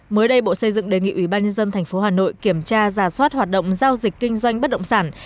mới đây bộ xây dựng đề nghị ủy ban nhân dân tp hà nội kiểm tra giả soát hoạt động giao dịch kinh doanh bất động sản